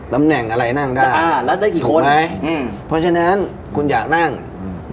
ตำแหน่งอะไรนั่งได้อ่ารัดได้กี่คนไงอืมเพราะฉะนั้นคุณอยากนั่งอืม